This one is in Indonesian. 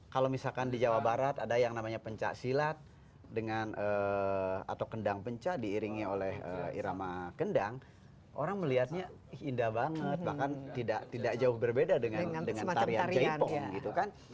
kalau misalkan di jawa barat ada yang namanya pencak silat dengan atau kendang penca diiringi oleh irama kendang orang melihatnya indah banget bahkan tidak jauh berbeda dengan tarian jaipong gitu kan